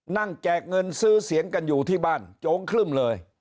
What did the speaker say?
แจกเงินซื้อเสียงกันอยู่ที่บ้านโจงครึ่มเลย